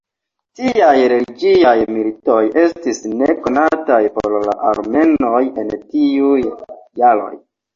Tiaj religiaj militoj estis nekonataj por la armenoj en tiuj jaroj.